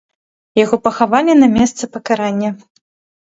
Яго пахавалі на месцы пакарання.